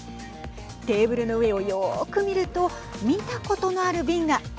テーブルの上をよーく見ると見たことのある瓶が。